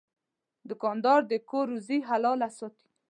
دوکاندار د کور روزي حلاله ساتي.